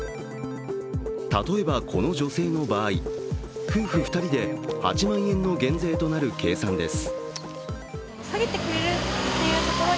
例えばこの女性の場合、夫婦２人で８万円の減税となる計算です。